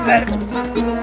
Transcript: aduh aduh banget sini temen ya